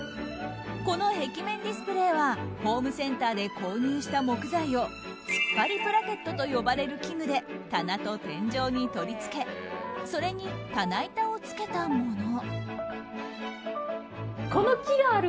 この壁面ディスプレーはホームセンターで購入した木材を突っ張りブラケットと呼ばれる器具で棚と天井に取り付けそれに棚板を付けたもの。